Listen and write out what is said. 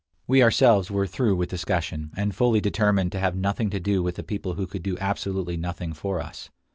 We ourselves were through with discussion, and fully determined to have nothing to do with a people who could do absolutely nothing for us.